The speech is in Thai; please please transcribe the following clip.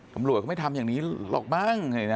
ตำรวจเขาไม่ทำอย่างนี้หรอกบ้างเห็นไหมนะ